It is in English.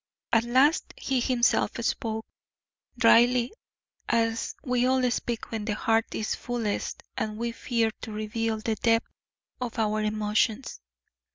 At last he himself spoke, dryly, as we all speak when the heart is fullest and we fear to reveal the depth of our emotions.